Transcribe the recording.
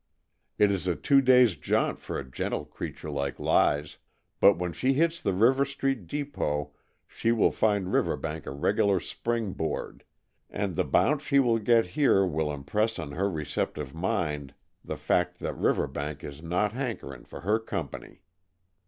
It is a two days' jaunt for a gentle creature like Lize, but when she hits the River Street depot she will find Riverbank a regular springboard, and the bounce she will get here will impress on her receptive mind the fact that Riverbank is not hankering for her company.